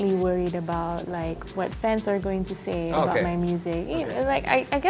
apa yang akan dikatakan fans tentang musik saya